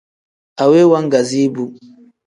Aweyi waagazi bu.